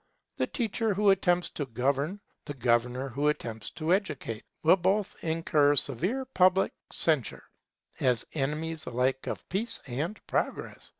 The teacher who attempts to govern, the governor who attempts to educate, will both incur severe public censure, as enemies alike of peace and progress.